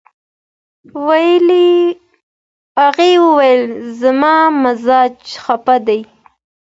هغې وویل، "زما مزاج خپه دی."